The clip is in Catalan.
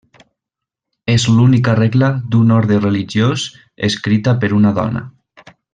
És l'única regla d'un orde religiós escrita per una dona.